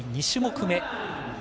２種目め。